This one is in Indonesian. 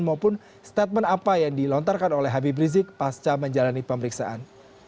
maupun statement apa yang dilontarkan oleh habib rizik pasca menjalani pemeriksaan